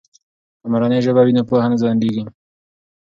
که مورنۍ ژبه وي نو پوهه نه ځنډیږي.